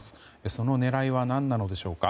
その狙いは何なのでしょうか。